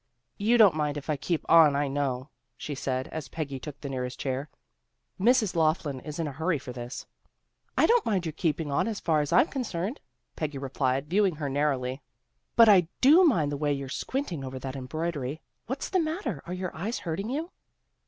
" You don't mind if I keep on, I know," she said as Peggy took the nearest chair. " Mrs. Laughlin is in a hurry for this." " I don't mind your keeping on as far as I'm concerned," Peggy replied, viewing her narrowly. " But I do mind the way you're squinting over that embroidery. What's the matter? Are your eyes hurting you?